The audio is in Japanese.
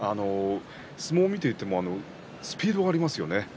相撲を見ていてもスピードがありますよね。